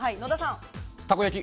たこ焼き。